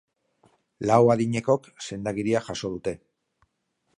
Lau adinekok sendagiria jaso dute.